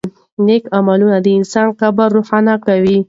نېک عملونه د انسان قبر روښانه کوي.